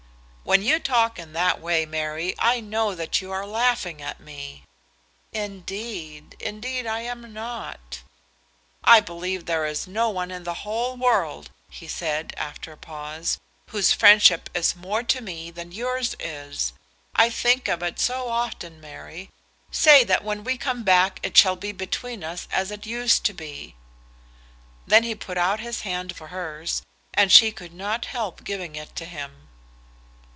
"When you talk in that way, Mary, I know that you are laughing at me." "Indeed, indeed I am not." "I believe there is no one in the whole world," he said, after a pause, "whose friendship is more to me than yours is. I think of it so often, Mary. Say that when we come back it shall be between us as it used to be." Then he put out his hand for hers, and she could not help giving it to him.